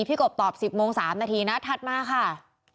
กบตอบ๑๐โมง๓นาทีนะถัดมาค่ะ